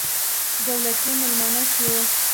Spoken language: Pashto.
دولتي مېلمانه شوو.